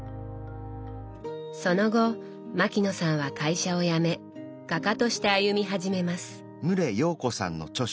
その後牧野さんは会社を辞め画家として歩み始めます。